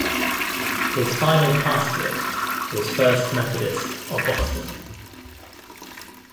His final pastorate was First Methodist of Boston.